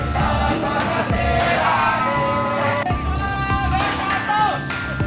beri kemuliaan pak